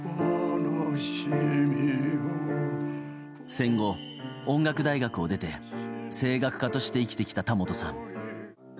戦後、音楽大学を出て声楽家として生きてきた田本さん。